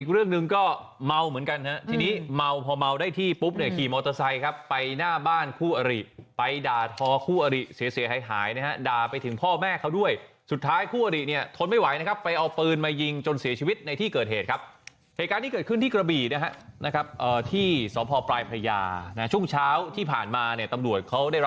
อีกเรื่องหนึ่งก็เมาเหมือนกันฮะทีนี้เมาพอเมาได้ที่ปุ๊บเนี่ยขี่มอเตอร์ไซค์ครับไปหน้าบ้านคู่อริไปด่าทอคู่อริเสียหายหายนะฮะด่าไปถึงพ่อแม่เขาด้วยสุดท้ายคู่อริเนี่ยทนไม่ไหวนะครับไปเอาปืนมายิงจนเสียชีวิตในที่เกิดเหตุครับเหตุการณ์ที่เกิดขึ้นที่กระบี่นะฮะที่สพปลายพระยานะช่วงเช้าที่ผ่านมาเนี่ยตำรวจเขาได้รับ